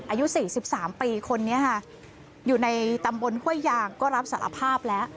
อายุสี่สิบสามปีคนนี้ฮะอยู่ในตำบนห้วยยางก็รับสารภาพแล้ว